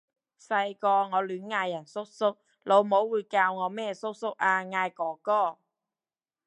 細個我亂嗌人叔叔，老母會教我咩叔叔啊！嗌哥哥！